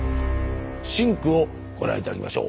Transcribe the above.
シンクをご覧頂きましょう。